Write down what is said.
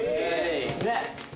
ねっ。